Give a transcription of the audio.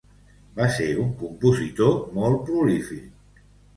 Va ser un compositor molt prolífic.